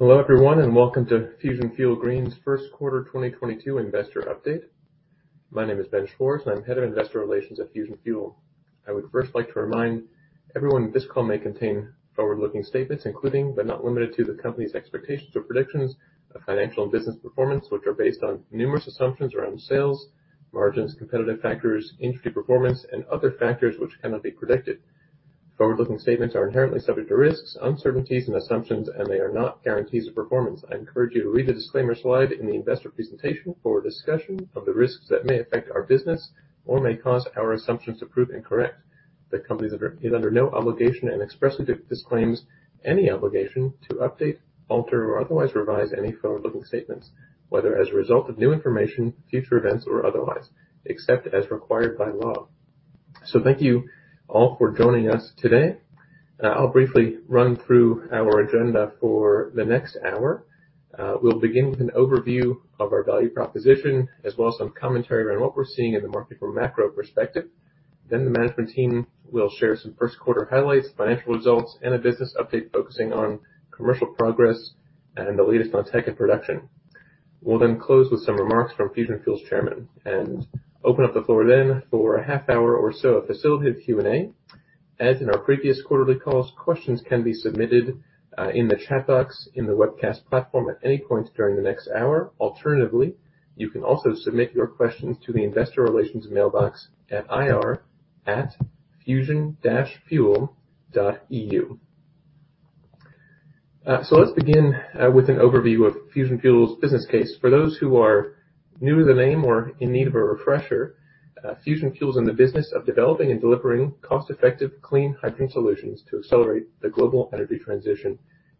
Hello everyone, and welcome to Fusion Fuel Green's First Quarter 2022 Investor Update. My name is Ben Schwarz, and I'm Head of Investor Relations at Fusion Fuel. I would first like to remind everyone, this call may contain forward-looking statements, including but not limited to, the company's expectations or predictions of financial and business performance, which are based on numerous assumptions around sales, margins, competitive factors, industry performance, and other factors which cannot be predicted. Forward-looking statements are inherently subject to risks, uncertainties, and assumptions, and they are not guarantees of performance. I encourage you to read the disclaimer slide in the investor presentation for a discussion of the risks that may affect our business or may cause our assumptions to prove incorrect. The company is under no obligation and expressly disclaims any obligation to update, alter, or otherwise revise any forward-looking statements, whether as a result of new information, future events, or otherwise, except as required by law. Thank you all for joining us today, and I'll briefly run through our agenda for the next hour. We'll begin with an overview of our value proposition as well as some commentary around what we're seeing in the market from a macro perspective. The management team will share some first quarter highlights, financial results, and a business update focusing on commercial progress and the latest on tech and production. We'll then close with some remarks from Fusion Fuel's chairman, and open up the floor then for a half hour or so of facilitated Q&A. As in our previous quarterly calls, questions can be submitted in the chat box in the webcast platform at any point during the next hour. Alternatively, you can also submit your questions to the investor relations mailbox at ir@fusion-fuel.eu. Let's begin with an overview of Fusion Fuel's business case. For those who are new to the name or in need of a refresher, Fusion Fuel's in the business of developing and delivering cost-effective clean hydrogen solutions to accelerate the global energy transition.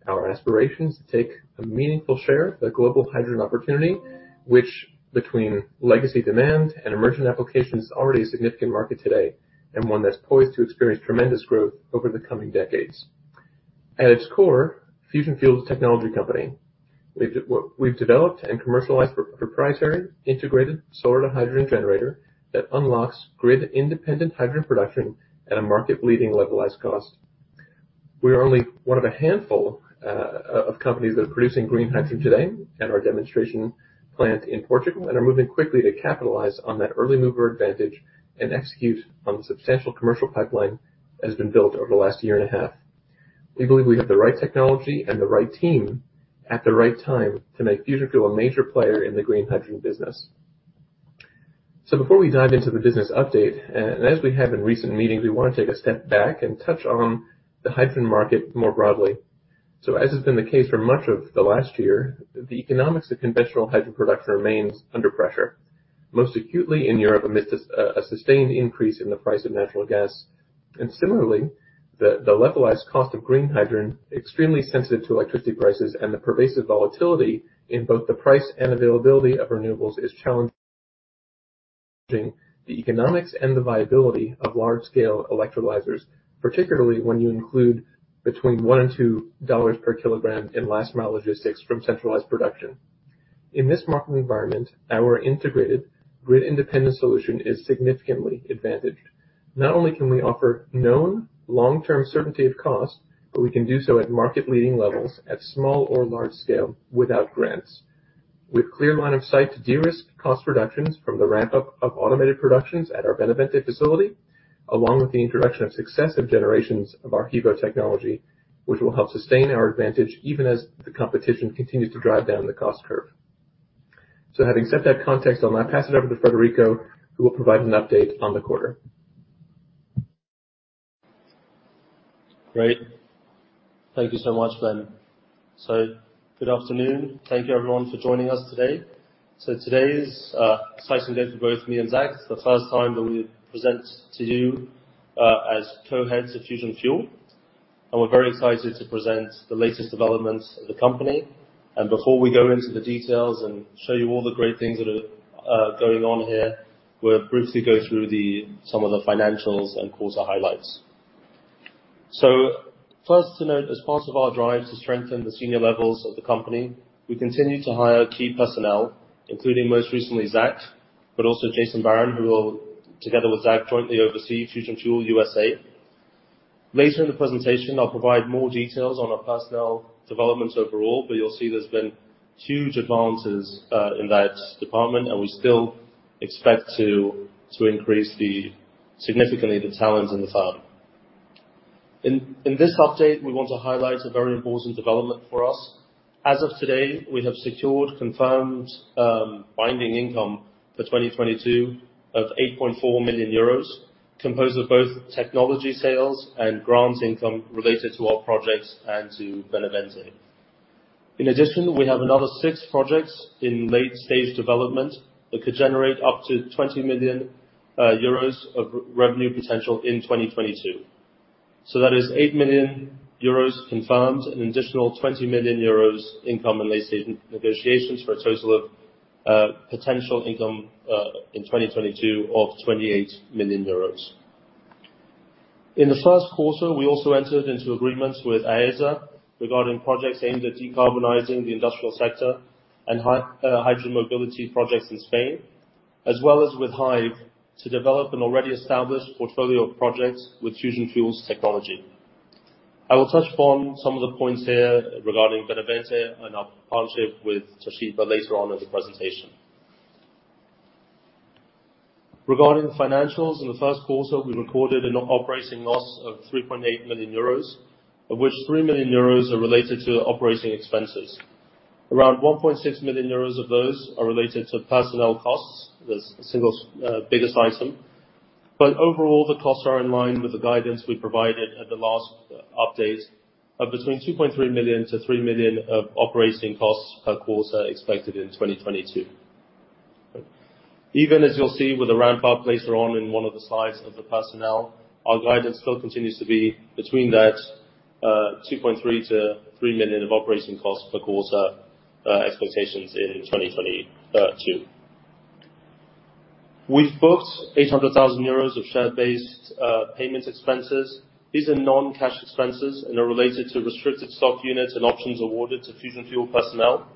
Our aspiration is to take a meaningful share of the global hydrogen opportunity, which between legacy demand and emerging applications, is already a significant market today, and one that's poised to experience tremendous growth over the coming decades. At its core, Fusion Fuel is a technology company. We've developed and commercialized a proprietary integrated solar to hydrogen generator that unlocks grid independent hydrogen production at a market leading levelized cost. We are only one of a handful of companies that are producing green hydrogen today at our demonstration plant in Portugal, and are moving quickly to capitalize on that early mover advantage and execute on the substantial commercial pipeline that has been built over the last year and a half. We believe we have the right technology and the right team at the right time to make Fusion Fuel a major player in the green hydrogen business. Before we dive into the business update, and as we have in recent meetings, we want to take a step back and touch on the hydrogen market more broadly. As has been the case for much of the last year, the economics of conventional hydrogen production remains under pressure. Most acutely in Europe amidst a sustained increase in the price of natural gas. Similarly, the levelized cost of green hydrogen extremely sensitive to electricity prices and the pervasive volatility in both the price and availability of renewables is challenging the economics and the viability of large scale electrolyzers, particularly when you include between $1 and $2 per kilogram in last mile logistics from centralized production. In this market environment, our integrated grid independent solution is significantly advantaged. Not only can we offer known long-term certainty of cost, but we can do so at market leading levels, at small or large scale without grants. With clear line of sight to de-risk cost reductions from the ramp up of automated productions at our Benavente facility, along with the introduction of successive generations of our HEVO technology, which will help sustain our advantage even as the competition continues to drive down the cost curve. Having set that context, I'll now pass it over to Frederico, who will provide an update on the quarter. Great. Thank you so much, Ben. Good afternoon. Thank you everyone for joining us today. Today is an exciting day for both me and Zach. The first time that we present to you as co-heads of Fusion Fuel, and we're very excited to present the latest developments of the company. Before we go into the details and show you all the great things that are going on here, we'll briefly go through some of the financials and quarter highlights. First to note, as part of our drive to strengthen the senior levels of the company, we continue to hire key personnel, including most recently Zach, but also Jason Baran, who will, together with Zach, jointly oversee Fusion Fuel USA. Later in the presentation, I'll provide more details on our personnel developments overall, but you'll see there's been huge advances in that department, and we still expect to increase significantly the talent in the firm. In this update, we want to highlight a very important development for us. As of today, we have secured confirmed binding income for 2022 of 8.4 million euros, composed of both technology sales and grant income related to our projects and to Benavente. In addition, we have another six projects in late stage development that could generate up to 20 million euros of revenue potential in 2022. That is 8 million euros confirmed, an additional 20 million euros income in late stage negotiations for a total of potential income in 2022 of 28 million euros. In the first quarter, we also entered into agreements with AESA regarding projects aimed at decarbonizing the industrial sector and hydrogen mobility projects in Spain. As well as with Hive to develop an already established portfolio of projects with Fusion Fuel's technology. I will touch upon some of the points here regarding Benavente and our partnership with Toshiba later on in the presentation. Regarding the financials, in the first quarter, we recorded an operating loss of 3.8 million euros, of which 3 million euros are related to operating expenses. Around 1.6 million euros of those are related to personnel costs. That's the single biggest item. Overall, the costs are in line with the guidance we provided at the last update of between 2.3 million-3 million of operating costs per quarter expected in 2022. Even as you'll see with the ramp up later on in one of the slides of the personnel, our guidance flow continues to be between that, 2.3 million-3 million of operating costs per quarter, expectations in 2022. We've booked 800,000 euros of share-based payment expenses. These are non-cash expenses and are related to restricted stock units and options awarded to Fusion Fuel personnel.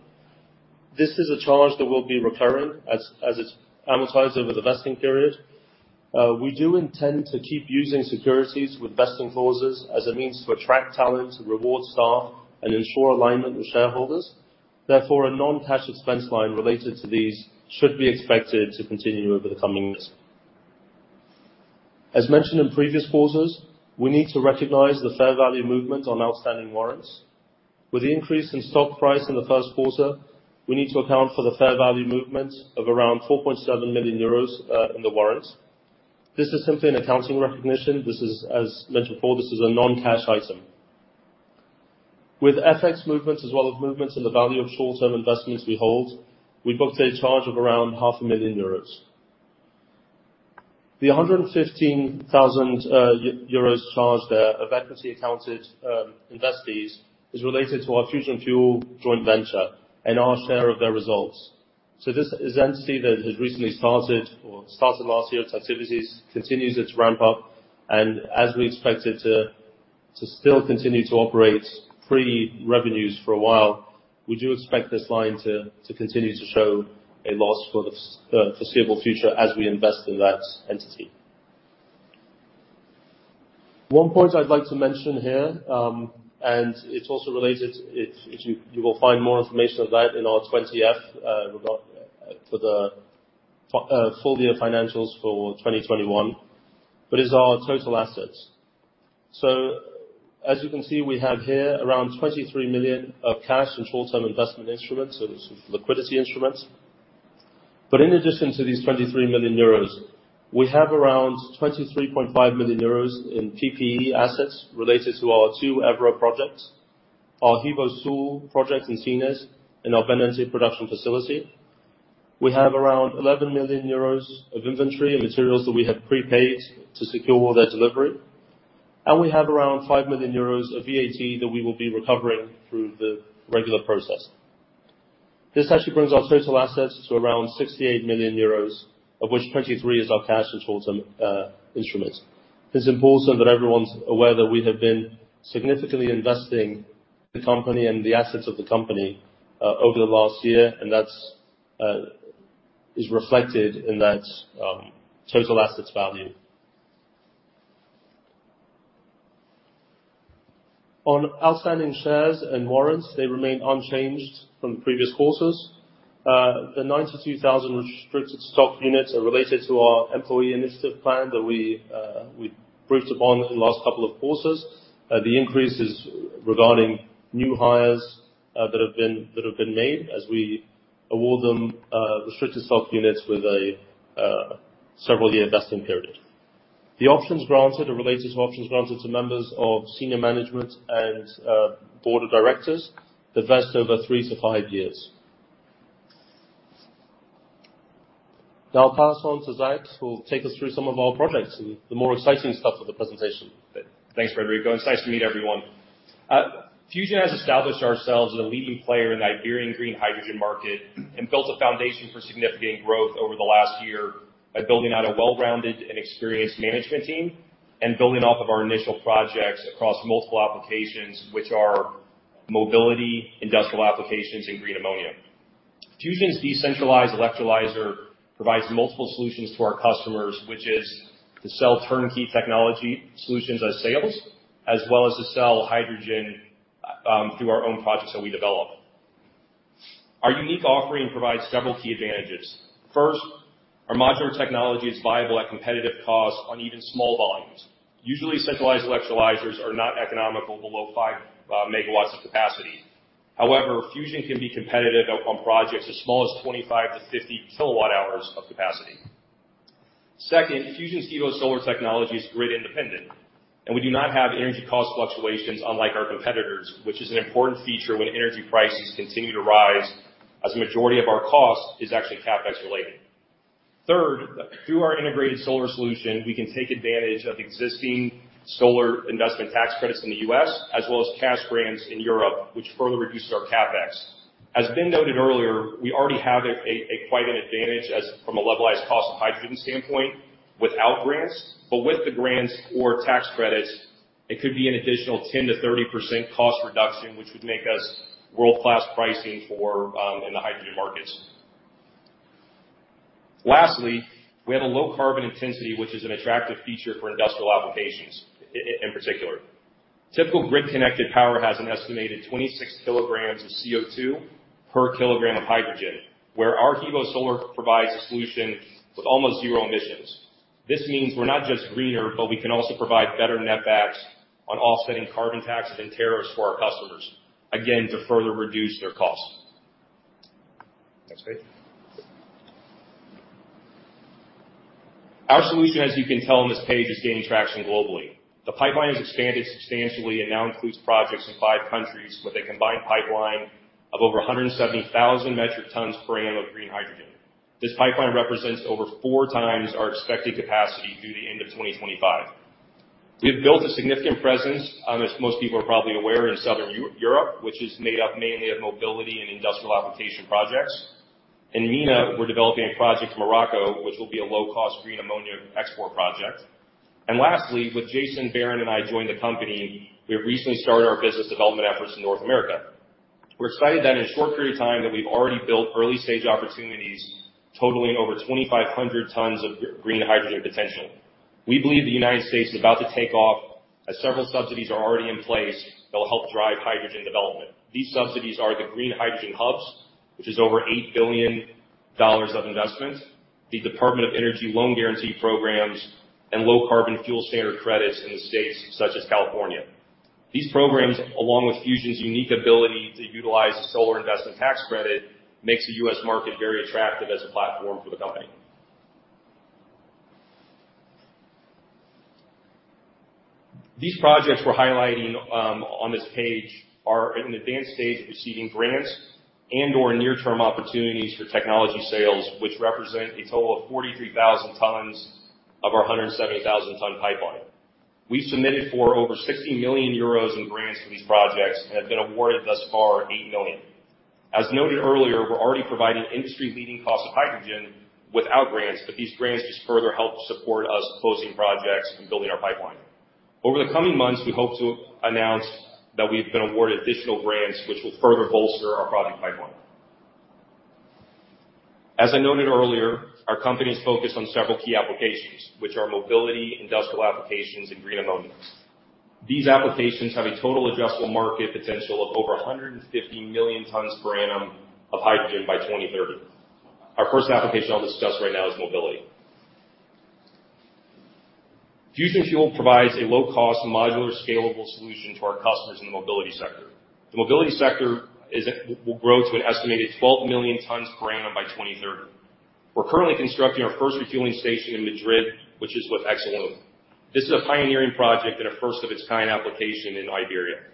This is a charge that will be recurring as it's amortized over the vesting period. We do intend to keep using securities with vesting clauses as a means to attract talent, reward staff, and ensure alignment with shareholders. Therefore, a non-cash expense line related to these should be expected to continue over the coming years. As mentioned in previous quarters, we need to recognize the fair value movement on outstanding warrants. With the increase in stock price in the first quarter, we need to account for the fair value movements of around 4.7 million euros in the warrants. This is simply an accounting recognition. This is, as mentioned before, a non-cash item. With FX movements as well as movements in the value of short-term investments we hold, we booked a charge of around EUR half a million. The 115,000 euros charged to our equity-accounted investees is related to our Fusion Fuel joint venture and our share of their results. This is an entity that has recently started last year, its activities continues its ramp up, and as we expect it to still continue to operate pre-revenues for a while, we do expect this line to continue to show a loss for the foreseeable future as we invest in that entity. One point I'd like to mention here, and it's also related to it, you will find more information on that in our 20-F regarding the full year financials for 2021. Our total assets. As you can see, we have here around 23 million of cash and short-term investment instruments. Liquidity instruments. In addition to these 23 million euros, we have around 23.5 million euros in PPE assets related to our two Évora projects, our HEVO-Sul project in Sines and our Benavente production facility. We have around 11 million euros of inventory and materials that we have prepaid to secure their delivery. We have around 5 million euros of VAT that we will be recovering through the regular process. This actually brings our total assets to around 68 million euros, of which 23 is our cash and short-term instruments. It's important that everyone's aware that we have been significantly investing in the company and the assets of the company over the last year, and that is reflected in that total assets value. On outstanding shares and warrants, they remain unchanged from previous quarters. The 92,000 restricted stock units are related to our employee initiative plan that we briefed upon in the last couple of quarters. The increase is regarding new hires that have been made as we award them restricted stock units with a several-year vesting period. The options granted are related to options granted to members of senior management and board of directors that vest over 3-5 years. Now I'll pass on to Zach, who will take us through some of our projects and the more exciting stuff of the presentation. Thanks, Rodrigo, and it's nice to meet everyone. Fusion has established ourselves as a leading player in the Iberian green hydrogen market and built a foundation for significant growth over the last year by building out a well-rounded and experienced management team and building off of our initial projects across multiple applications, which are mobility, industrial applications, and green ammonia. Fusion's decentralized electrolyzer provides multiple solutions to our customers, which is to sell turnkey technology solutions as sales, as well as to sell hydrogen, through our own projects that we develop. Our unique offering provides several key advantages. First, our modular technology is viable at competitive costs on even small volumes. Usually, centralized electrolyzers are not economical below 5 MW of capacity. However, Fusion can be competitive on projects as small as 25-50 kWh of capacity. Second, Fusion's HEVO-Solar technology is grid independent, and we do not have energy cost fluctuations unlike our competitors, which is an important feature when energy prices continue to rise, as the majority of our cost is actually CapEx related. Third, through our integrated solar solution, we can take advantage of existing solar investment tax credits in the U.S. as well as cash grants in Europe, which further reduces our CapEx. As Ben noted earlier, we already have quite an advantage as from a levelized cost of hydrogen standpoint without grants, but with the grants or tax credits. It could be an additional 10%-30% cost reduction, which would make us world-class pricing for in the hydrogen markets. Lastly, we have a low carbon intensity, which is an attractive feature for industrial applications in particular. Typical grid-connected power has an estimated 26 kilograms of CO₂ per kilogram of hydrogen, where our HEVO-Solar provides a solution with almost zero emissions. This means we're not just greener, but we can also provide better net backs on offsetting carbon taxes and tariffs for our customers, again, to further reduce their costs. Next page. Our solution, as you can tell on this page, is gaining traction globally. The pipeline has expanded substantially and now includes projects in five countries with a combined pipeline of over 170,000 metric tons per annum of green hydrogen. This pipeline represents over four times our expected capacity through the end of 2025. We have built a significant presence, as most people are probably aware, in Southern Europe, which is made up mainly of mobility and industrial application projects. In MENA, we're developing a project in Morocco, which will be a low cost green ammonia export project. Lastly, with Jason Baran and I joined the company, we have recently started our business development efforts in North America. We're excited that in a short period of time, that we've already built early-stage opportunities totaling over 2,500 tons of green hydrogen potential. We believe the United States is about to take off as several subsidies are already in place that will help drive hydrogen development. These subsidies are the Green Hydrogen Hubs, which is over $8 billion of investment, the Department of Energy Loan Guarantee programs, and low carbon fuel standard credits in the states such as California. These programs, along with Fusion's unique ability to utilize the solar investment tax credit, makes the U.S. market very attractive as a platform for the company. These projects we're highlighting on this page are at an advanced stage of receiving grants and/or near-term opportunities for technology sales, which represent a total of 43,000 tons of our 170,000 ton pipeline. We submitted for over 60 million euros in grants for these projects and have been awarded thus far 8 million. As noted earlier, we're already providing industry-leading cost of hydrogen without grants, but these grants just further help support us closing projects and building our pipeline. Over the coming months, we hope to announce that we've been awarded additional grants which will further bolster our project pipeline. As I noted earlier, our company is focused on several key applications, which are mobility, industrial applications, and green ammonia. These applications have a total addressable market potential of over 150 million tons per annum of hydrogen by 2030. Our first application I'll discuss right now is mobility. Fusion Fuel provides a low cost, modular, scalable solution to our customers in the mobility sector. The mobility sector will grow to an estimated 12 million tons per annum by 2030. We're currently constructing our first refueling station in Madrid, which is with Exolum. This is a pioneering project and a first of its kind application in Iberia.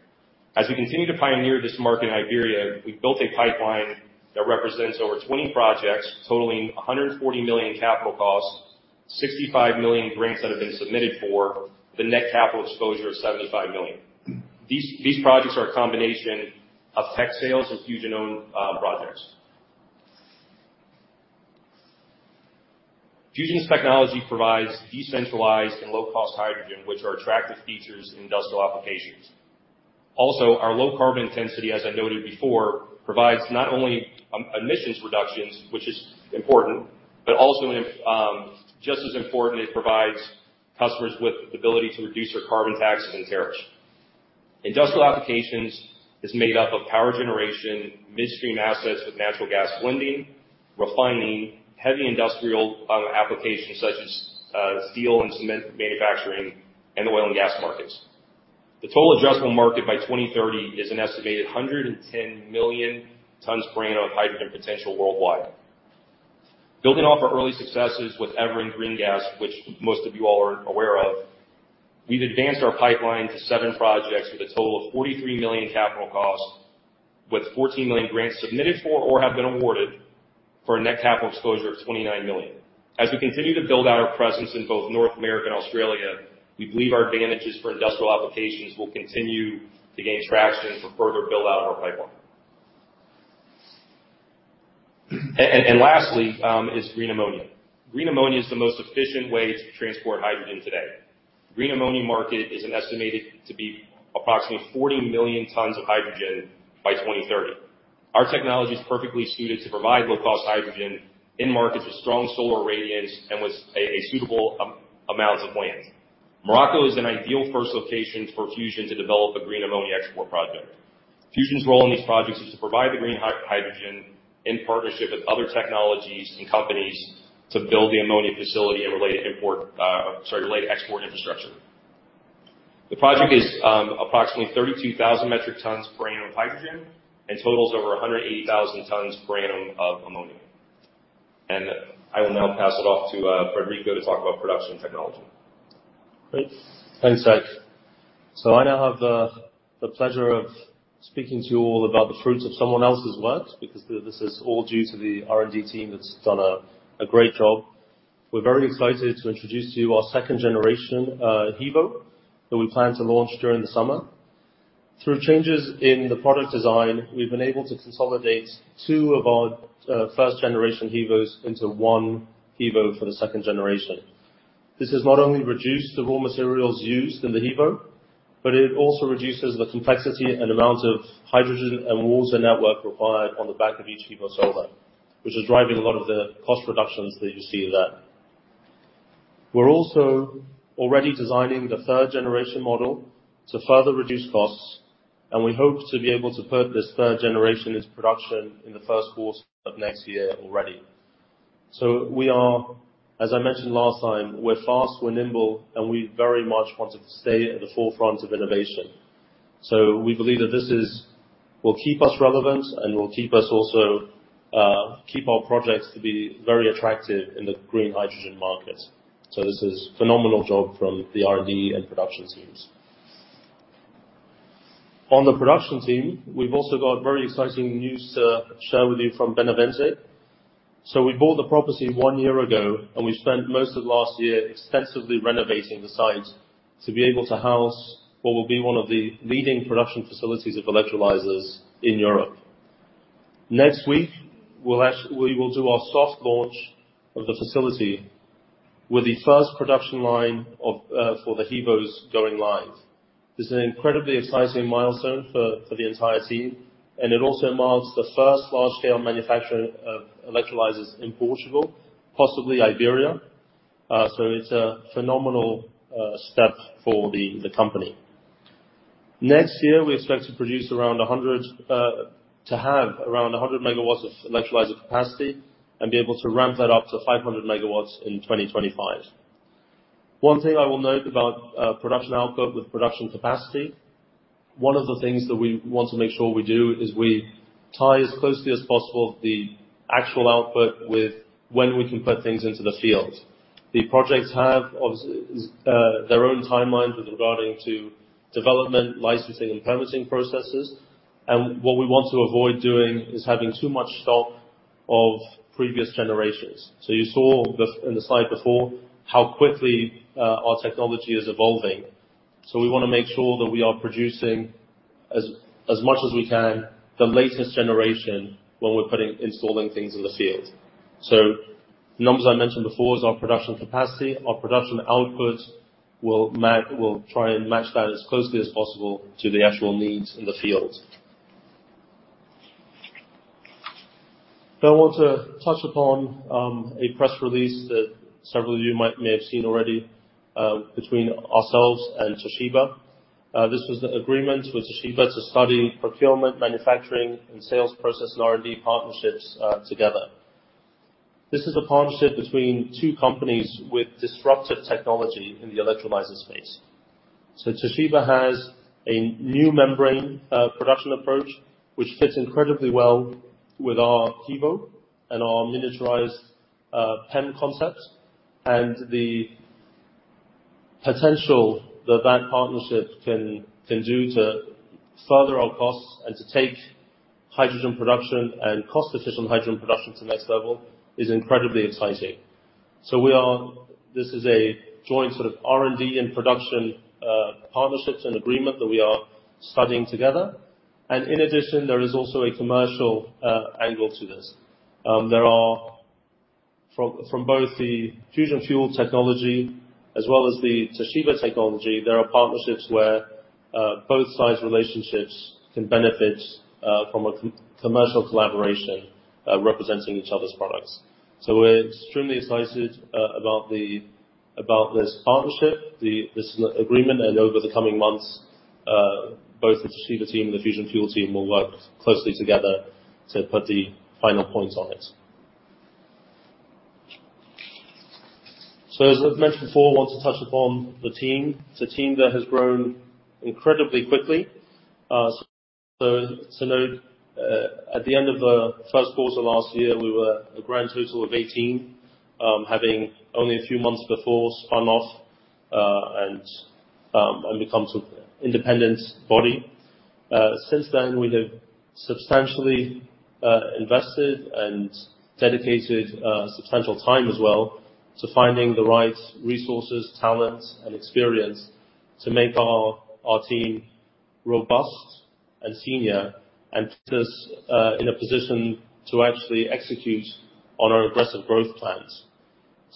As we continue to pioneer this market in Iberia, we've built a pipeline that represents over 20 projects totaling 140 million in capital costs, 65 million grants that have been submitted for the net capital exposure of 75 million. These projects are a combination of tech sales and Fusion-owned projects. Fusion's technology provides decentralized and low cost hydrogen, which are attractive features in industrial applications. Also, our low carbon intensity, as I noted before, provides not only emissions reductions, which is important, but also, just as important, it provides customers with the ability to reduce their carbon tax and tariffs. Industrial applications is made up of power generation, midstream assets with natural gas blending, refining heavy industrial applications such as steel and cement manufacturing and the oil and gas markets. The total addressable market by 2030 is an estimated 110 million tons per annum of hydrogen potential worldwide. Building off our early successes with Évora GreenGas, which most of you all are aware of, we've advanced our pipeline to seven projects with a total of 43 million in capital costs, with 14 million grants submitted for or have been awarded for a net capital exposure of 29 million. As we continue to build out our presence in both North America and Australia, we believe our advantages for industrial applications will continue to gain traction for further build-out of our pipeline. Lastly, is green ammonia. Green ammonia is the most efficient way to transport hydrogen today. Green ammonia market is estimated to be approximately 40 million tons of hydrogen by 2030. Our technology is perfectly suited to provide low cost hydrogen in markets with strong solar radiance and with suitable amounts of land. Morocco is an ideal first location for Fusion to develop a green ammonia export project. Fusion's role in these projects is to provide the green hydrogen in partnership with other technologies and companies to build the ammonia facility and related export infrastructure. The project is approximately 32,000 metric tons per annum of hydrogen and totals over 180,000 tons per annum of ammonia. I will now pass it off to Frederico to talk about production technology. Great. Thanks, Zach. I now have the pleasure of speaking to you all about the fruits of someone else's work, because this is all due to the R&D team that's done a great job. We're very excited to introduce to you our second generation HEVO that we plan to launch during the summer. Through changes in the product design, we've been able to consolidate two of our first generation HEVOs into one HEVO for the second generation. This has not only reduced the raw materials used in the HEVO, but it also reduces the complexity and amount of hydrogen and water network required on the back of each HEVO-Solar, which is driving a lot of the cost reductions that you see there. We're also already designing the third generation model to further reduce costs, and we hope to be able to put this third generation into production in the first quarter of next year already. We are, as I mentioned last time, we're fast, we're nimble, and we very much wanted to stay at the forefront of innovation. We believe that this is. will keep us relevant and will keep us also keep our projects to be very attractive in the green hydrogen market. This is phenomenal job from the R&D and production teams. On the production team, we've also got very exciting news to share with you from Benavente. We bought the property one year ago, and we spent most of last year extensively renovating the site to be able to house what will be one of the leading production facilities of electrolyzers in Europe. Next week, we will do our soft launch of the facility with the first production line for the HEVOs going live. This is an incredibly exciting milestone for the entire team, and it also marks the first large-scale manufacturing of electrolyzers in Portugal, possibly Iberia. It's a phenomenal step for the company. Next year, we expect to produce around 100 to have around 100 megawatts of electrolyzer capacity and be able to ramp that up to 500 megawatts in 2025. One thing I will note about production output with production capacity, one of the things that we want to make sure we do is we tie as closely as possible the actual output with when we can put things into the field. The projects have their own timelines with regard to development, licensing, and permitting processes. What we want to avoid doing is having too much stock of previous generations. You saw in the slide before how quickly our technology is evolving. We wanna make sure that we are producing as much as we can the latest generation when we're putting installing things in the field. The numbers I mentioned before is our production capacity. Our production output will we'll try and match that as closely as possible to the actual needs in the field. Now I want to touch upon a press release that several of you might have seen already between ourselves and Toshiba. This was an agreement with Toshiba to study procurement, manufacturing, and sales process and R&D partnerships together. This is a partnership between two companies with disruptive technology in the electrolyzer space. Toshiba has a new membrane production approach, which fits incredibly well with our HEVO and our miniaturized PEM concept. The potential that that partnership can do to further our costs and to take hydrogen production and cost-efficient hydrogen production to the next level is incredibly exciting. This is a joint sort of R&D and production partnerships and agreement that we are studying together. In addition, there is also a commercial angle to this. There are from both the Fusion Fuel technology as well as the Toshiba technology, there are partnerships where both sides' relationships can benefit from a commercial collaboration representing each other's products. We're extremely excited about this partnership, this agreement, and over the coming months both the Toshiba team and the Fusion Fuel team will work closely together to put the final points on it. As I've mentioned before, want to touch upon the team. It's a team that has grown incredibly quickly. Note at the end of the first quarter last year, we were a grand total of 18, having only a few months before spun off and become sort of independent body. Since then, we have substantially invested and dedicated substantial time as well to finding the right resources, talents, and experience to make our team robust and senior and put us in a position to actually execute on our aggressive growth plans.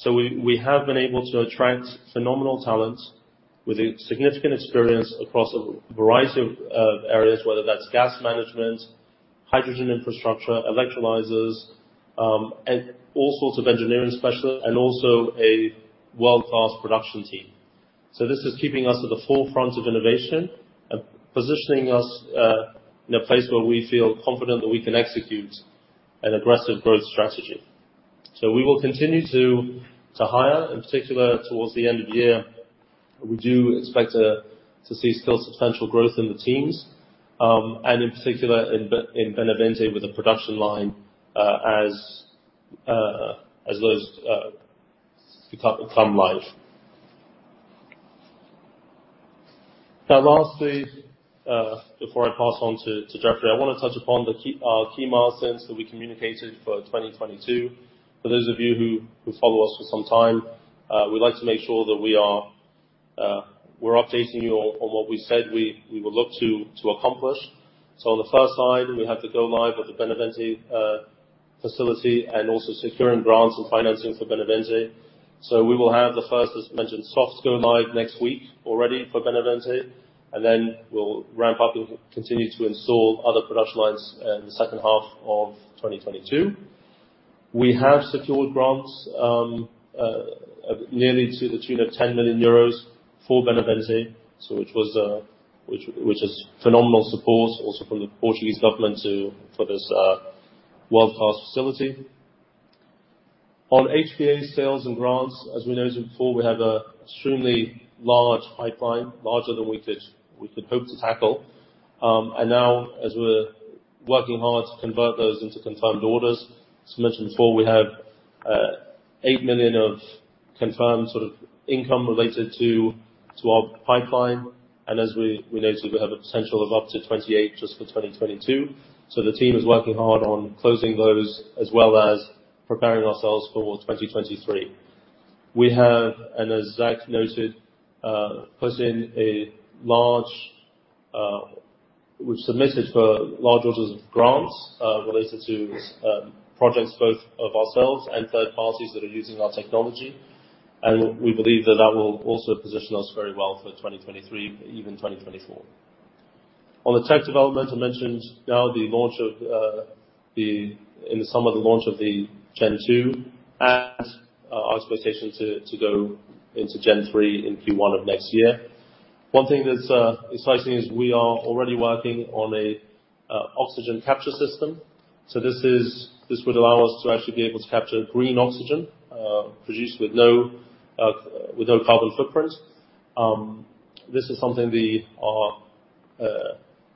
We have been able to attract phenomenal talent with a significant experience across a variety of areas, whether that's gas management, hydrogen infrastructure, electrolyzers, and all sorts of engineering specialists, and also a world-class production team. This is keeping us at the forefront of innovation and positioning us in a place where we feel confident that we can execute an aggressive growth strategy. We will continue to hire, in particular towards the end of the year. We do expect to see still substantial growth in the teams and in particular in Benavente with the production line as those become live. Now lastly, before I pass on to Jeffrey, I wanna touch upon the key milestones that we communicated for 2022. For those of you who follow us for some time, we like to make sure that we're updating you on what we said we will look to accomplish. On the first side, we have the go live with the Benavente facility and also securing grants and financing for Benavente. We will have the first, as mentioned, soft go live next week already for Benavente, and then we'll ramp up and continue to install other production lines in the second half of 2022. We have secured grants nearly to the tune of 10 million euros for Benavente, which is phenomenal support also from the Portuguese government for this world-class facility. On HEVO sales and grants, as we noted before, we have an extremely large pipeline, larger than we could hope to tackle. Now as we're working hard to convert those into confirmed orders, as mentioned before, we have 8 million of confirmed sort of income related to our pipeline. As we noted, we have a potential of up to 28 just for 2022. The team is working hard on closing those as well as preparing ourselves for 2023. We have, as Zach noted, we've submitted for large orders of grants related to projects both of ourselves and third parties that are using our technology. We believe that that will also position us very well for 2023, even 2024. On the tech development, I mentioned now the launch in the summer of the gen two at our expectation to go into Gen 3 in Q1 of next year. One thing that's exciting is we are already working on a oxygen capture system. This would allow us to actually be able to capture green oxygen, produced with no carbon footprint. This is something the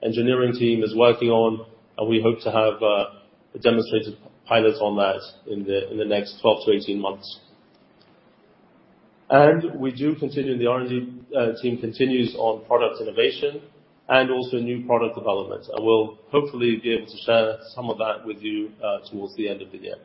engineering team is working on, and we hope to have a demonstrated pilot on that in the next 12-18 months. The R&D team continues on product innovation and also new product development. I will hopefully be able to share some of that with you towards the end of the year.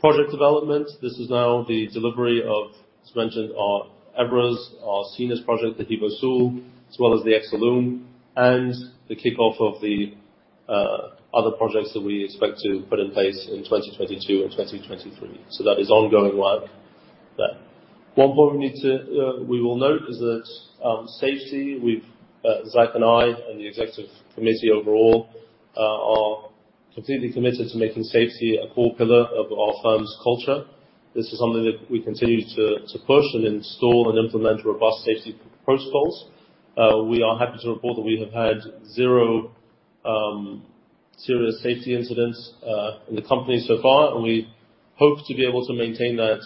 Project development, this is now the delivery of, as mentioned, our Évora's, our Sines project, the HEVO-Sul, as well as the Exolum, and the kickoff of the other projects that we expect to put in place in 2022 and 2023. That is ongoing work there. One point we will note is that safety with Zach and I, and the executive committee overall, are completely committed to making safety a core pillar of our firm's culture. This is something that we continue to push and install and implement robust safety protocols. We are happy to report that we have had zero serious safety incidents in the company so far, and we hope to be able to maintain that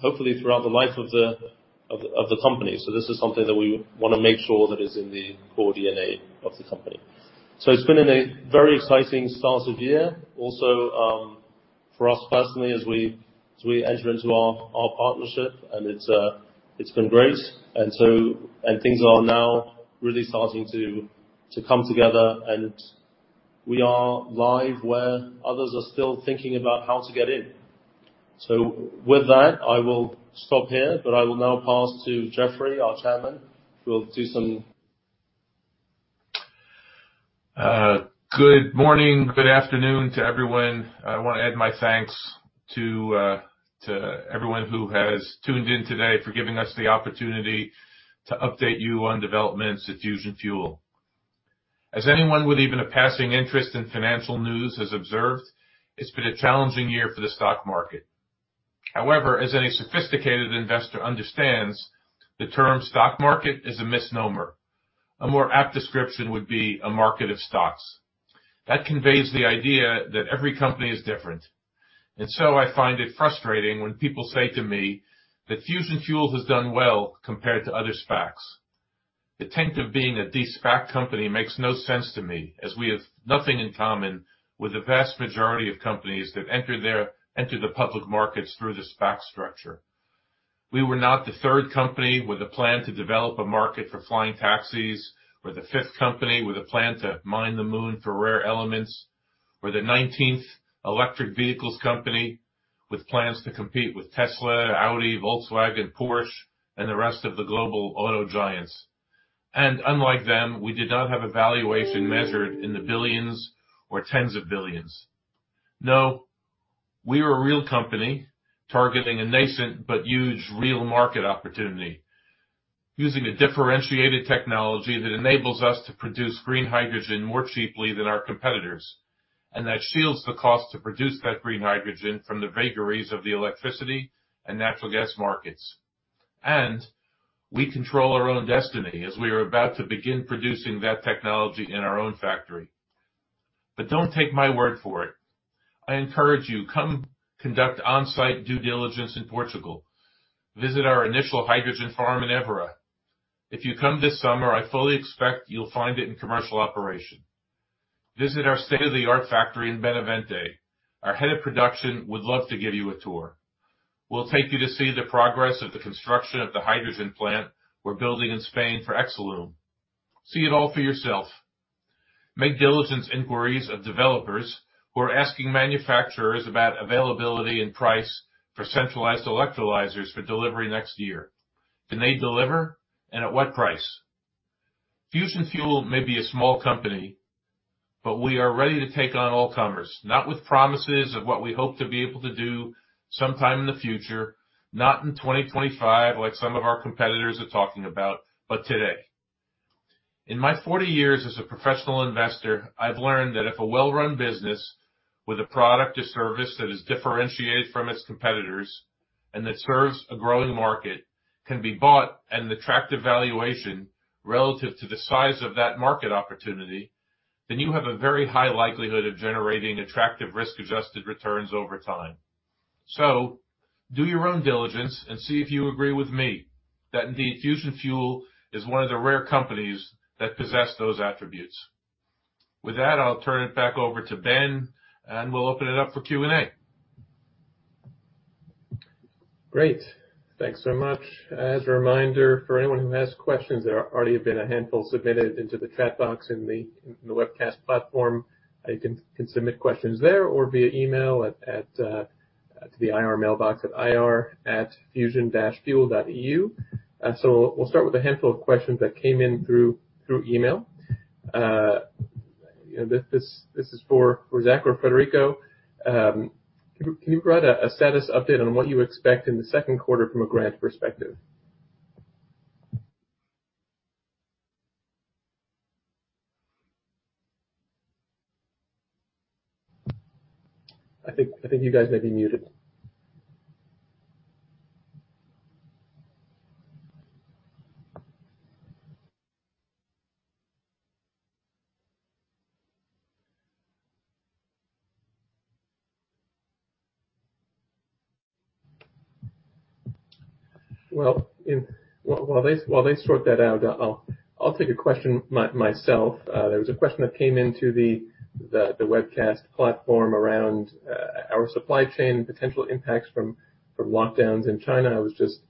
hopefully throughout the life of the company. This is something that we wanna make sure that is in the core DNA of the company. It's been a very exciting start of year. Also, for us personally as we enter into our partnership, and it's been great. Things are now really starting to come together, and we are live where others are still thinking about how to get in. With that, I will stop here, but I will now pass to Jeffrey, our chairman, who will do some- Good morning, good afternoon to everyone. I wanna add my thanks to everyone who has tuned in today for giving us the opportunity to update you on developments at Fusion Fuel. As anyone with even a passing interest in financial news has observed, it's been a challenging year for the stock market. However, as any sophisticated investor understands, the term stock market is a misnomer. A more apt description would be a market of stocks. That conveys the idea that every company is different. I find it frustrating when people say to me that Fusion Fuel has done well compared to other SPACs. The taint of being a de-SPAC company makes no sense to me, as we have nothing in common with the vast majority of companies that enter the public markets through the SPAC structure. We were not the third company with a plan to develop a market for flying taxis, or the fifth company with a plan to mine the moon for rare elements, or the nineteenth electric vehicles company with plans to compete with Tesla, Audi, Volkswagen, Porsche, and the rest of the global auto giants. Unlike them, we did not have a valuation measured in the billions or tens of billions. No, we are a real company targeting a nascent but huge real market opportunity, using a differentiated technology that enables us to produce green hydrogen more cheaply than our competitors, and that shields the cost to produce that green hydrogen from the vagaries of the electricity and natural gas markets. We control our own destiny as we are about to begin producing that technology in our own factory. Don't take my word for it. I encourage you, come conduct on-site due diligence in Portugal. Visit our initial hydrogen farm in Évora. If you come this summer, I fully expect you'll find it in commercial operation. Visit our state-of-the-art factory in Benavente. Our head of production would love to give you a tour. We'll take you to see the progress of the construction of the hydrogen plant we're building in Spain for Exolum. See it all for yourself. Make diligence inquiries of developers who are asking manufacturers about availability and price for centralized electrolyzers for delivery next year. Can they deliver, and at what price? Fusion Fuel may be a small company, but we are ready to take on all comers, not with promises of what we hope to be able to do sometime in the future, not in 2025 like some of our competitors are talking about, but today. In my 40 years as a professional investor, I've learned that if a well-run business with a product or service that is differentiated from its competitors and that serves a growing market can be bought at an attractive valuation relative to the size of that market opportunity, then you have a very high likelihood of generating attractive risk-adjusted returns over time. Do your own diligence and see if you agree with me that indeed, Fusion Fuel is one of the rare companies that possess those attributes. With that, I'll turn it back over to Ben, and we'll open it up for Q&A. Great. Thanks so much. As a reminder, for anyone who has questions, there already have been a handful submitted into the chat box in the webcast platform. You can submit questions there or via email to the IR mailbox at ir@fusion-fuel.eu. So we'll start with a handful of questions that came in through email. This is for Zach or Frederico. Can you provide a status update on what you expect in the second quarter from a grant perspective? I think you guys may be muted. Well, while they sort that out, I'll take a question myself. There was a question that came into the webcast platform around our supply chain potential impacts from lockdowns in China. I was just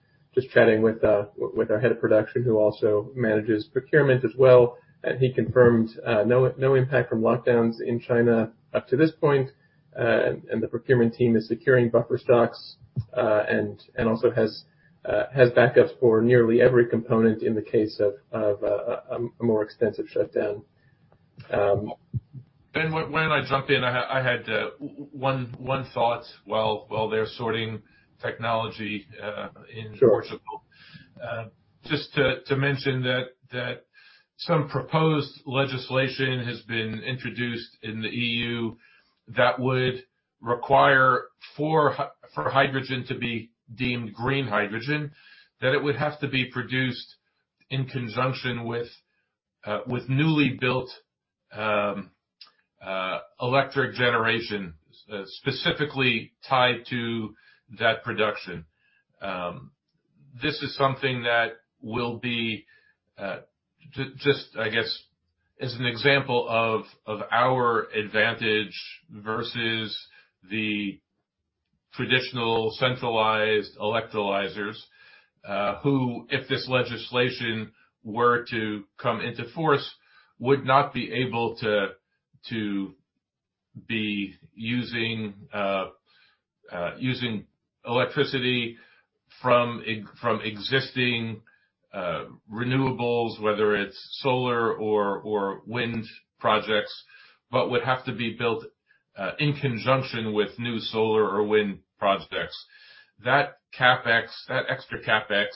chatting with our head of production who also manages procurement as well, and he confirmed no impact from lockdowns in China up to this point. The procurement team is securing buffer stocks, and also has backups for nearly every component in the case of a more extensive shutdown. Ben, when I jump in, I had one thought while they're sorting technology. Sure. Portugal. Just to mention that some proposed legislation has been introduced in the EU that would require for hydrogen to be deemed green hydrogen, that it would have to be produced in conjunction with newly built electricity generation specifically tied to that production. This is something that will be just, I guess, as an example of our advantage versus the traditional centralized electrolyzers, who, if this legislation were to come into force, would not be able to use electricity from existing renewables, whether it's solar or wind projects, but would have to be built in conjunction with new solar or wind projects. That CapEx, that extra CapEx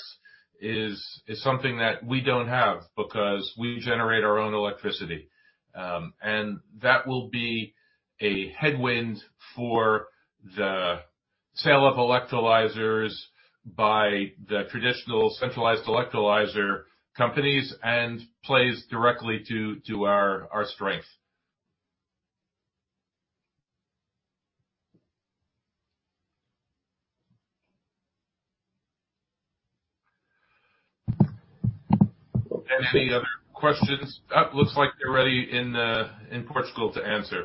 is something that we don't have because we generate our own electricity. That will be a headwind for the sale of electrolyzers by the traditional centralized electrolyzer companies and plays directly to our strength. Any other questions? Looks like they're ready in Portugal to answer.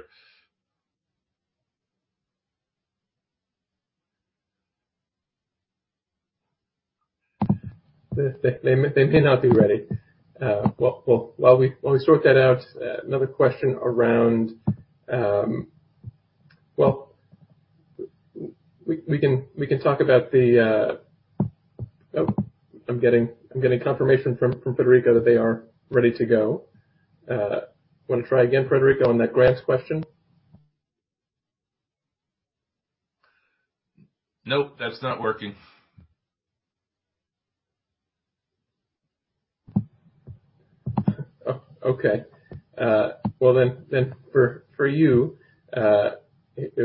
They may not be ready. Well, while we sort that out, another question around. Well, we can talk about the. Oh, I'm getting confirmation from Frederico that they are ready to go. Wanna try again, Frederico, on that grants question? Nope, that's not working. Oh, okay. Well, for you, a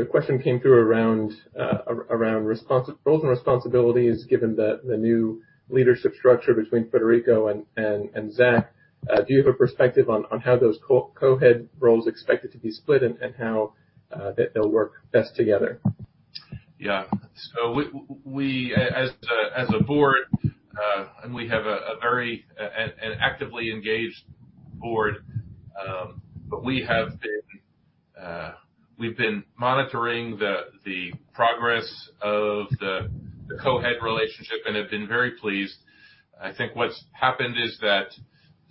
question came through around roles and responsibilities given the new leadership structure between Frederico and Zach. Do you have a perspective on how those co-head roles expected to be split and how they'll work best together? Yeah. We, as a board, and we have a very actively engaged board, but we've been monitoring the progress of the co-head relationship and have been very pleased. I think what's happened is that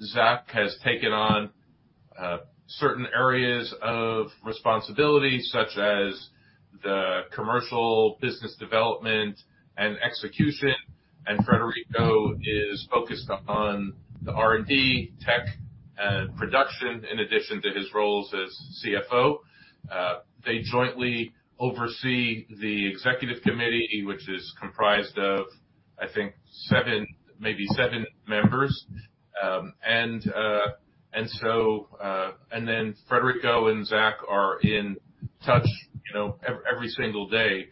Zach has taken on certain areas of responsibility, such as the commercial business development and execution, and Frederico is focused on the R&D tech and production in addition to his roles as CFO. They jointly oversee the executive committee, which is comprised of, I think 7, maybe 7 members. Frederico and Zach are in touch, you know, every single day,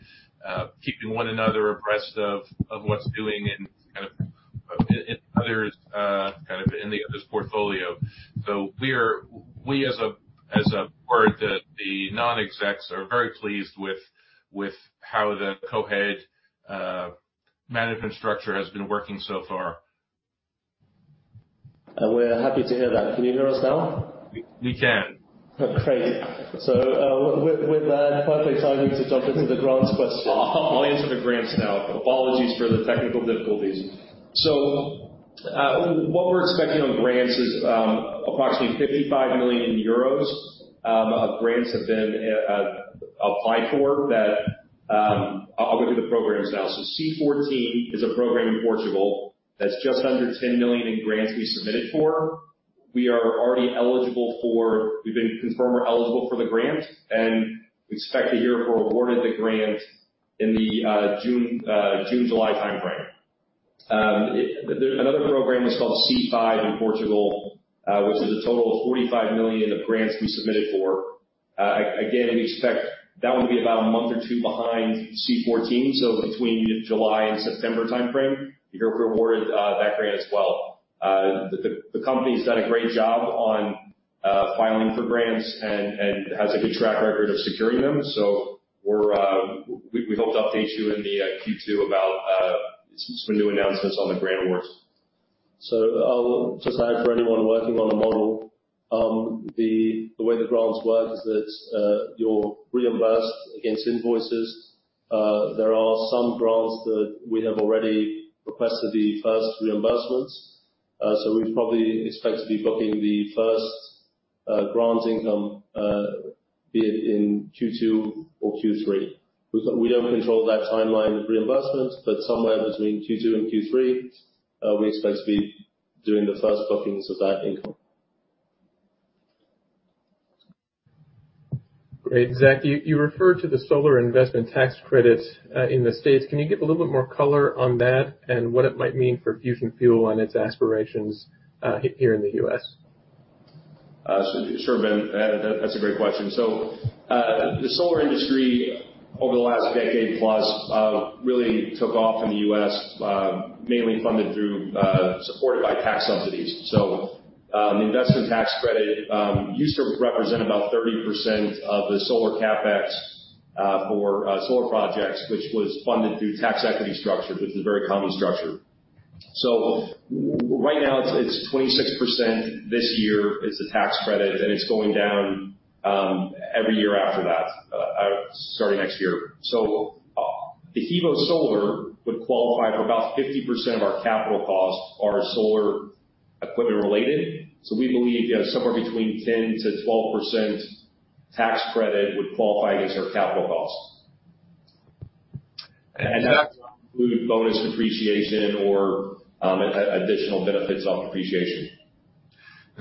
keeping one another abreast of what's doing and kind of in others kind of in the other's portfolio. We as a board, the non-execs are very pleased with how the co-head management structure has been working so far. We're happy to hear that. Can you hear us now? We can. Great. With that perfect timing to jump into the grants question. I'll answer the grants now. Apologies for the technical difficulties. What we're expecting on grants is approximately 55 million euros of grants have been applied for that I'll go through the programs now. C-14 is a program in Portugal that's just under 10 million in grants we submitted for. We've been confirmed we're eligible for the grant, and we expect to hear if we're awarded the grant in the June-July timeframe. Another program is called C-5 in Portugal, which is a total of 45 million of grants we submitted for. We expect that one to be about a month or two behind C-14, so between July-September timeframe to hear if we're awarded that grant as well. The company's done a great job on filing for grants and has a good track record of securing them. We hope to update you in the Q2 about some new announcements on the grant awards. I'll just add for anyone working on the model. The way the grants work is that you're reimbursed against invoices. There are some grants that we have already requested the first reimbursements. We probably expect to be booking the first grant income, be it in Q2 or Q3. We don't control that timeline of reimbursement, but somewhere between Q2 and Q3, we expect to be doing the first bookings of that income. Great. Zach, you referred to the Solar Investment Tax Credit in the States. Can you give a little bit more color on that and what it might mean for Fusion Fuel and its aspirations here in the US? Sure, Ben. That's a great question. The solar industry over the last decade plus really took off in the U.S., mainly supported by tax subsidies. The investment tax credit used to represent about 30% of the solar CapEx for solar projects, which was funded through tax equity structure, which is a very common structure. Right now it's 26% this year is the tax credit, and it's going down every year after that, starting next year. The HEVO Solar would qualify for about 50% of our capital costs are solar equipment related. We believe, yeah, somewhere between 10%-12% tax credit would qualify against our capital costs. Zach. That would include bonus depreciation or additional benefits on depreciation.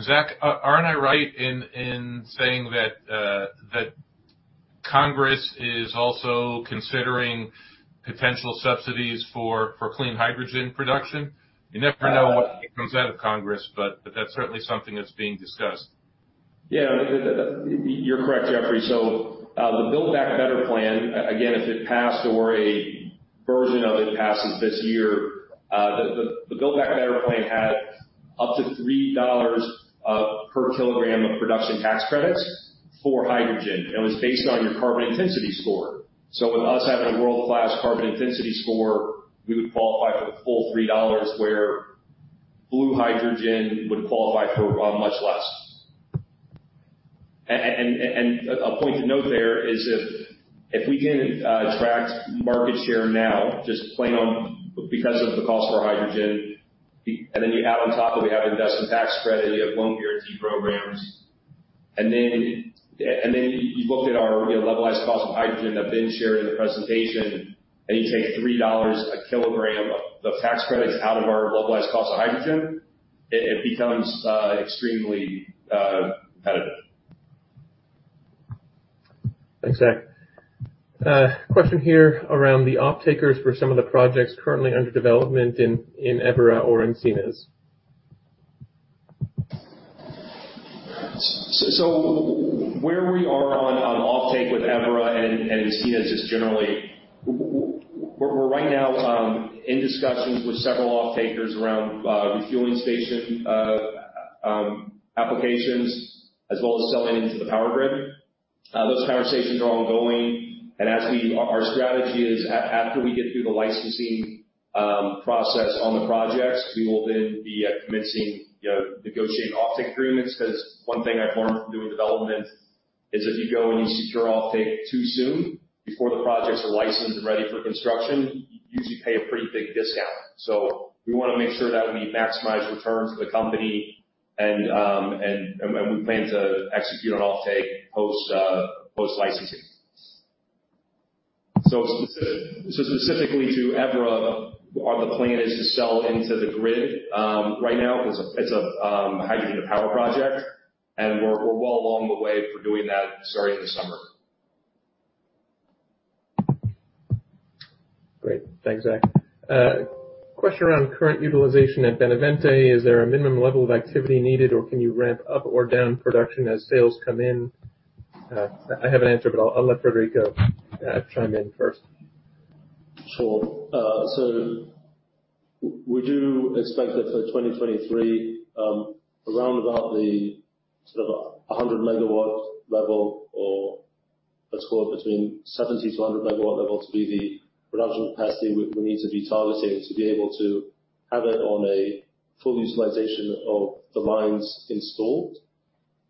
Zach, aren't I right in saying that Congress is also considering potential subsidies for clean hydrogen production? You never know what comes out of Congress, but that's certainly something that's being discussed. Yeah. You're correct, Jeffrey. The Build Back Better plan, again, if it passed or a version of it passes this year, the Build Back Better plan had up to $3 per kilogram of production tax credits for hydrogen, and was based on your carbon intensity score. With us having a world-class carbon intensity score, we would qualify for the full $3, where blue hydrogen would qualify for much less. A point to note there is if we can attract market share now, just playing on because of the cost of our hydrogen, and then you add on top of it, you have Investment Tax Credit, you have loan guarantee programs. You look at our, you know, levelized cost of hydrogen that Ben shared in the presentation, and you take $3 a kilogram of the tax credits out of our levelized cost of hydrogen. It becomes extremely competitive. Thanks, Zach. Question here around the offtakers for some of the projects currently under development in Évora or in Sines. Where we are on offtake with Évora and Sines is generally we're right now in discussions with several offtakers around refueling station applications as well as selling into the power grid. Those conversations are ongoing. Our strategy is after we get through the licensing process on the projects. We will then be commencing, you know, negotiating offtake agreements. Because one thing I've learned from doing development is if you go and you secure offtake too soon before the projects are licensed and ready for construction, you usually pay a pretty big discount. We want to make sure that we maximize returns for the company and we plan to execute on offtake post-licensing. Specifically to Évora, our plan is to sell into the grid right now because it's a hydrogen power project, and we're well along the way for doing that starting this summer. Great. Thanks, Zach. Question around current utilization at Benavente. Is there a minimum level of activity needed, or can you ramp up or down production as sales come in? I have an answer, but I'll let Frederico chime in first. Sure. We do expect that for 2023, around about the sort of 100 megawatt level or let's call it between 70-100 megawatt level to be the production capacity we need to be targeting to be able to have it on a full utilization of the lines installed.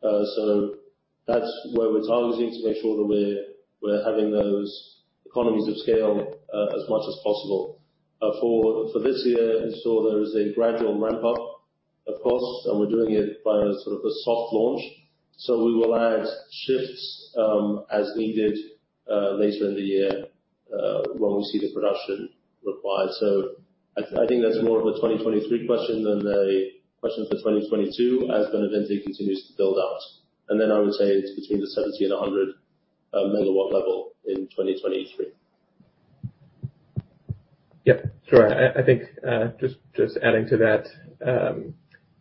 That's where we're targeting to make sure that we're having those economies of scale, as much as possible. For this year, there is a gradual ramp up, of course, and we're doing it by a sort of a soft launch. We will add shifts, as needed, later in the year, when we see the production required. I think that's more of a 2023 question than a question for 2022 as Benavente continues to build out. I would say it's between 70 and 100 megawatt level in 2023. Yeah, sure. I think just adding to that,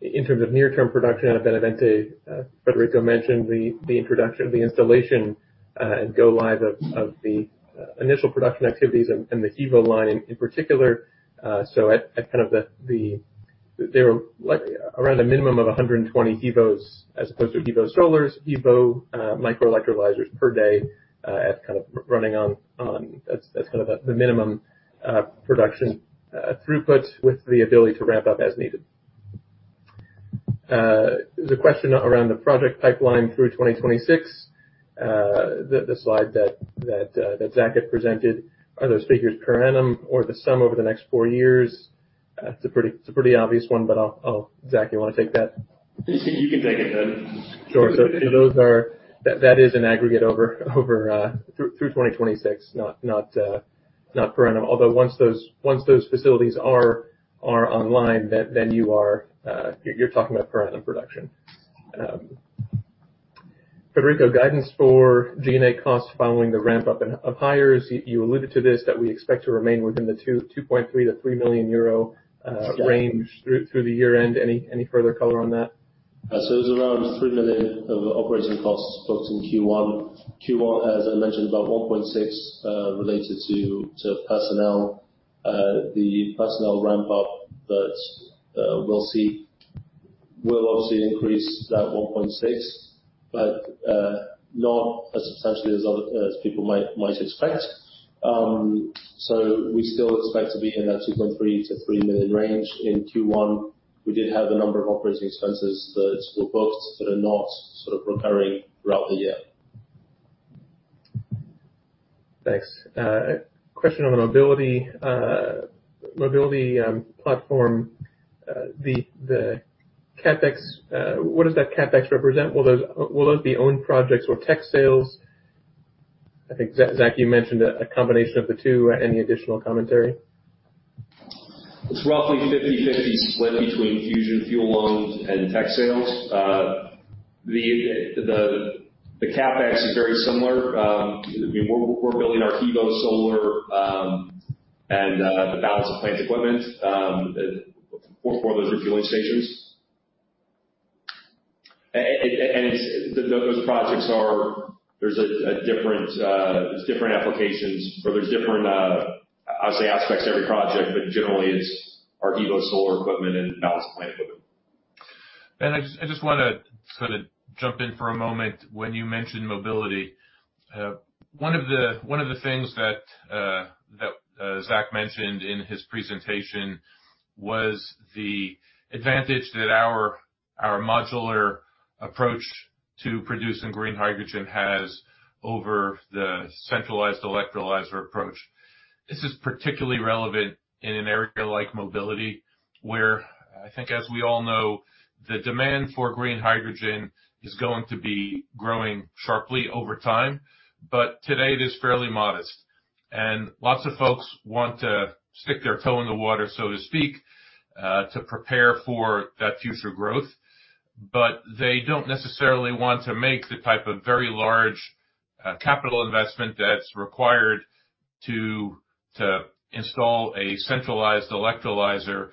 in terms of near term production at Benavente, Frederico mentioned the introduction of the installation and go live of the initial production activities and the HEVO line in particular. So at kind of they were like around a minimum of 120 HEVOs as opposed to HEVO-Solars, HEVO micro-electrolyzers per day at kind of running on. That's kind of at the minimum production throughput with the ability to ramp up as needed. There's a question around the project pipeline through 2026. The slide that Zach had presented. Are those figures per annum or the sum over the next four years? That's a pretty obvious one, but I'll. Zach, you wanna take that? You can take it, Ben. Sure. That is an aggregate over through 2026, not per annum. Although once those facilities are online, then you are talking about per annum production. Frederico, guidance for G&A costs following the ramp-up of hires. You alluded to this, that we expect to remain within the 2.3 million-3 million euro range through the year-end. Any further color on that? It's around 3 million of operating costs booked in Q1. Q1, as I mentioned, about 1.6 million related to personnel. The personnel ramp-up that we'll see will obviously increase that 1.6 million, but not as substantially as people might expect. We still expect to be in that 2.3 million-3 million range. In Q1, we did have a number of operating expenses that were booked that are not sort of recurring throughout the year. Thanks. Question on the mobility platform. The CapEx. What does that CapEx represent? Will those be own projects or tech sales? I think Zach, you mentioned a combination of the two. Any additional commentary? It's roughly 50/50 split between Fusion Fuel loans and tech sales. The CapEx is very similar. I mean, we're building our HEVO Solar and the balance of plant equipment for those refueling stations. Those projects are different applications or different, I would say, aspects to every project, but generally it's our HEVO Solar equipment and balance of plant equipment. Ben, I just wanna sort of jump in for a moment when you mentioned mobility. One of the things that Zach mentioned in his presentation was the advantage that our modular approach to producing green hydrogen has over the centralized electrolyzer approach. This is particularly relevant in an area like mobility, where I think, as we all know, the demand for green hydrogen is going to be growing sharply over time. Today it is fairly modest. Lots of folks want to stick their toe in the water, so to speak, to prepare for that future growth. They don't necessarily want to make the type of very large capital investment that's required to install a centralized electrolyzer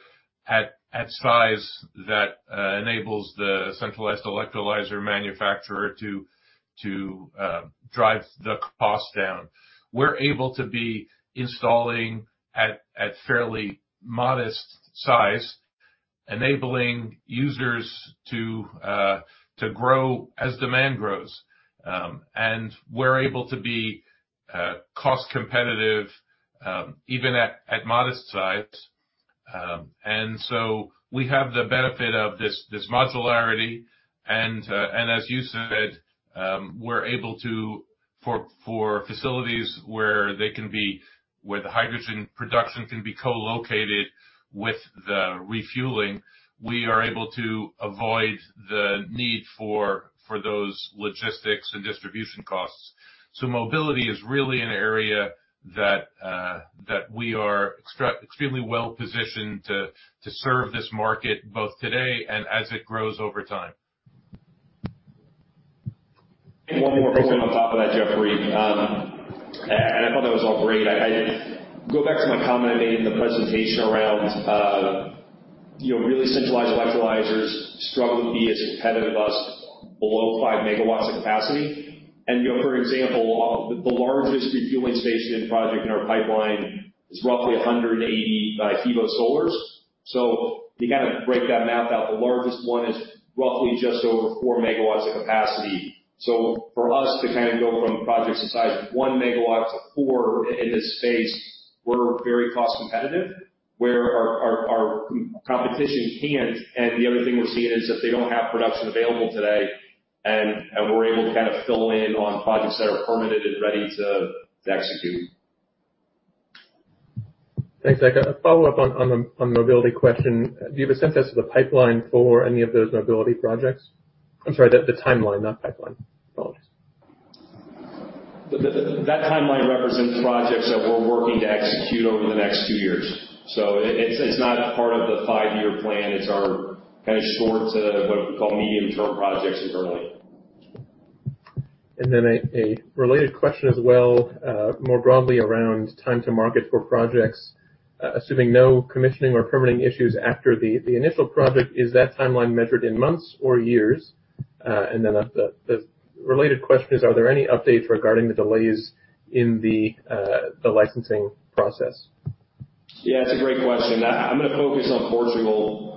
at size that enables the centralized electrolyzer manufacturer to drive the cost down. We're able to install at fairly modest sizes, enabling users to grow as demand grows. We're able to be cost competitive even at modest sites. We have the benefit of this modularity and, as you said, we're able to, for facilities where the hydrogen production can be co-located with the refueling, avoid the need for those logistics and distribution costs. Mobility is really an area that we are extremely well-positioned to serve this market both today and as it grows over time. One more point on top of that, Jeffrey. I thought that was all great. I go back to my comment I made in the presentation around you know, really centralized electrolyzers struggle to be as competitive as below 5 megawatts of capacity. You know, for example, the largest refueling station project in our pipeline is roughly 180 HEVO-Solars. You gotta break that math out. The largest one is roughly just over 4 megawatts of capacity. For us to kind of go from projects the size of 1 megawatt to four in this space, we're very cost competitive where our competition can't. The other thing we're seeing is that they don't have production available today, and we're able to kind of fill in on projects that are permitted and ready to execute. Thanks, Zach. A follow-up on the mobility question. Do you have a sense as to the pipeline for any of those mobility projects? I'm sorry, the timeline, not pipeline. Apologies. That timeline represents projects that we're working to execute over the next two years. It's not part of the five-year plan. It's our kind of short to what we call medium-term projects internally. A related question as well, more broadly around time to market for projects. Assuming no commissioning or permitting issues after the initial project, is that timeline measured in months or years? The related question is, are there any updates regarding the delays in the licensing process? Yeah, it's a great question. I'm gonna focus on Portugal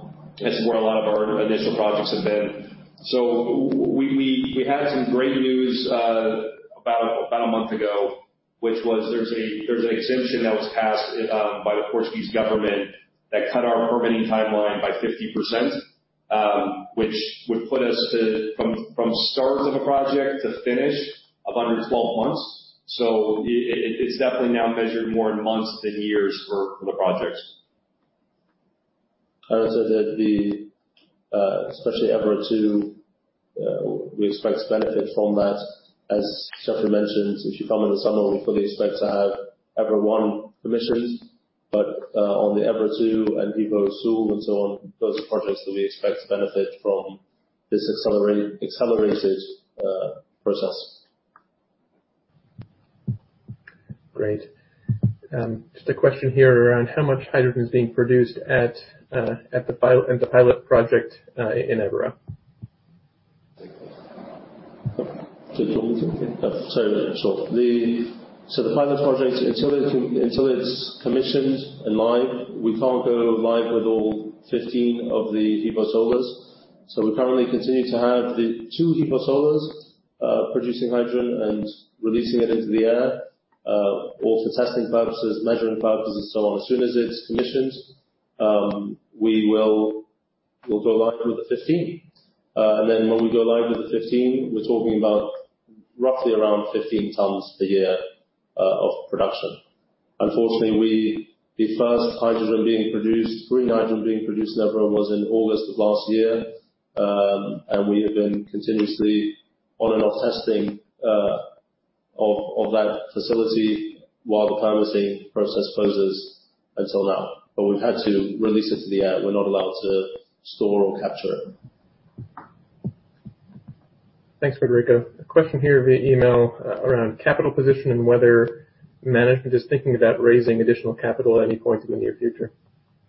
as where a lot of our initial projects have been. We had some great news about a month ago, which was there's an exemption that was passed by the Portuguese government that cut our permitting timeline by 50%, which would put us from start of a project to finish under 12 months. It's definitely now measured more in months than years for the projects. I would say that the, especially Évora two, we expect to benefit from that. As Jeffrey mentioned, if you come in the summer, we fully expect to have Évora one commissioned, but on the Évora two and HEVO-Sul and so on, those projects that we expect to benefit from this accelerated process. Great. Just a question here around how much hydrogen is being produced at the pilot project in Évora? The pilot project until it's commissioned and live, we can't go live with all 15 of the HEVO-Solars. We currently continue to have the 2 HEVO-Solars producing hydrogen and releasing it into the air, all for testing purposes, measuring purposes and so on. As soon as it's commissioned, we'll go live with the 15. Then when we go live with the 15, we're talking about roughly around 15 tons per year of production. Unfortunately, the first green hydrogen being produced in Évora was in August of last year. We have been continuously on and off testing of that facility while the financing process closes until now. We've had to release it to the air. We're not allowed to store or capture it. Thanks, Frederico. A question here via email around capital position and whether management is thinking about raising additional capital at any point in the near future.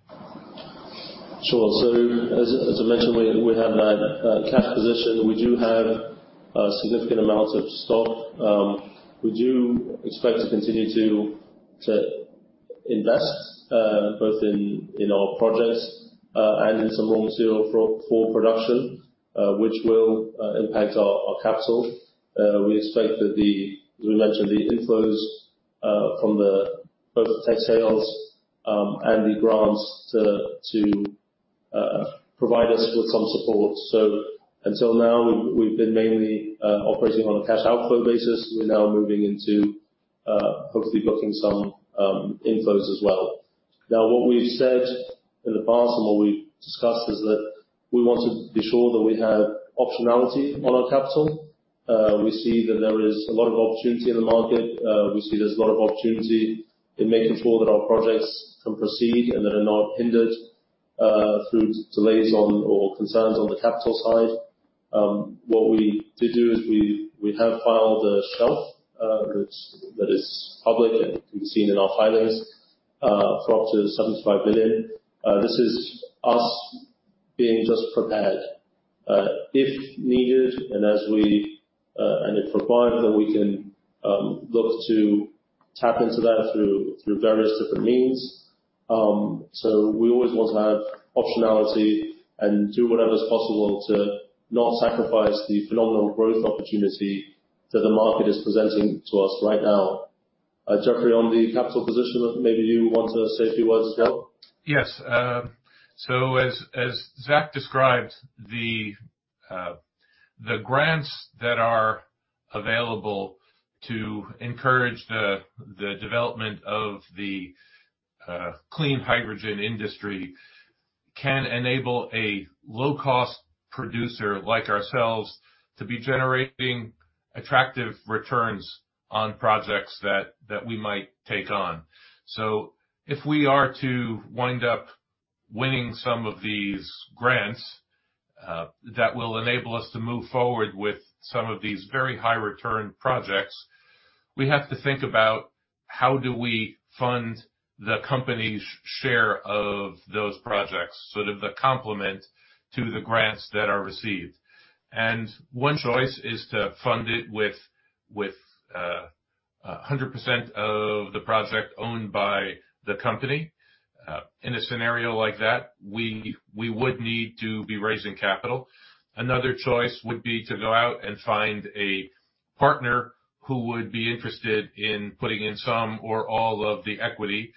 As I mentioned, we have that cash position. We do have a significant amount of stock. We do expect to continue to invest both in our projects and in some raw material for production which will impact our capital. We expect that as we mentioned, the inflows from both the tax sales and the grants to provide us with some support. Until now we've been mainly operating on a cash outflow basis. We're now moving into hopefully booking some inflows as well. Now what we've said in the past and what we've discussed is that we want to be sure that we have optionality on our capital. We see that there is a lot of opportunity in the market. We see there's a lot of opportunity in making sure that our projects can proceed and that are not hindered through delays or concerns on the capital side. What we did do is we have filed a shelf that is public and can be seen in our filings for up to $75 billion. This is us being just prepared. If needed and if required, then we can look to tap into that through various different means. We always want to have optionality and do whatever is possible to not sacrifice the phenomenal growth opportunity that the market is presenting to us right now. Jeffrey, on the capital position, maybe you want to say a few words as well? Yes. As Zach described, the grants that are available to encourage the development of the clean hydrogen industry can enable a low-cost producer like ourselves to be generating attractive returns on projects that we might take on. If we are to wind up winning some of these grants, that will enable us to move forward with some of these very high return projects. We have to think about how do we fund the company's share of those projects, sort of the complement to the grants that are received. One choice is to fund it with 100% of the project owned by the company. In a scenario like that, we would need to be raising capital. Another choice would be to go out and find a partner who would be interested in putting in some or all of the equity,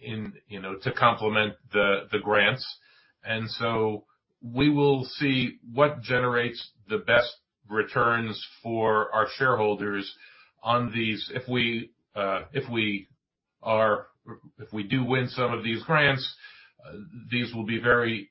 in, you know, to complement the grants. We will see what generates the best returns for our shareholders on these. If we do win some of these grants, these will be very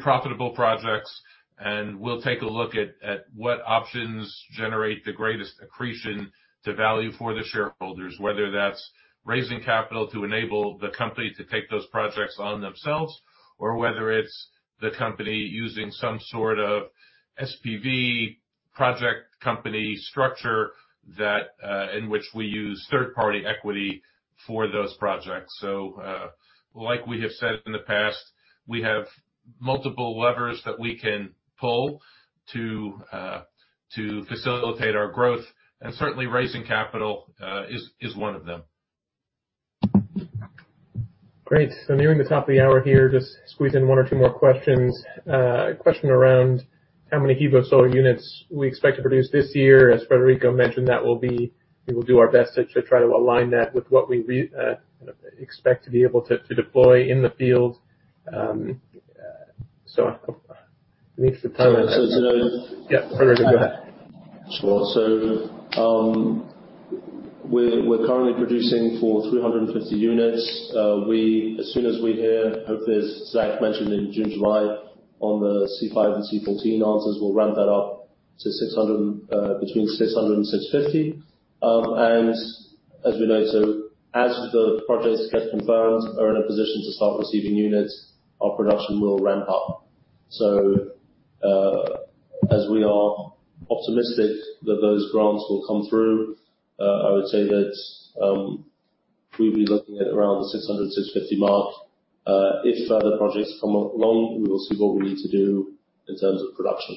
profitable projects, and we'll take a look at what options generate the greatest accretion to value for the shareholders, whether that's raising capital to enable the company to take those projects on themselves, or whether it's the company using some sort of SPV project company structure that, in which we use third-party equity for those projects. Like we have said in the past, we have multiple levers that we can pull to facilitate our growth. Certainly raising capital is one of them. Great. Nearing the top of the hour here, just squeeze in one or two more questions. A question around how many HEVO-Solar units we expect to produce this year. As Frederico mentioned, we will do our best to try to align that with what we expect to be able to deploy in the field. In each department. Yeah, Frederico, go ahead. Sure. We're currently producing for 350 units. As soon as we hear, hopefully, as Zach mentioned in June, July on the C-5 and C-14 answers, we'll ramp that up to 600, between 600 and 650. As the projects get confirmed, are in a position to start receiving units, our production will ramp up. We're optimistic that those grants will come through. I would say that we'll be looking at around the 600, 650 mark. If further projects come along, we will see what we need to do in terms of production.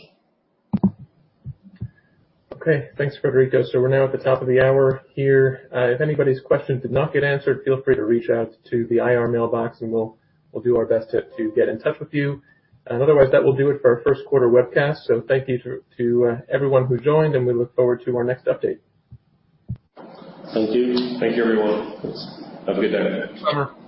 Okay. Thanks, Frederico. We're now at the top of the hour here. If anybody's question did not get answered, feel free to reach out to the IR mailbox and we'll do our best to get in touch with you. Otherwise, that will do it for our first quarter webcast. Thank you to everyone who joined, and we look forward to our next update. Thank you. Thank you, everyone. Have a good day. Bye.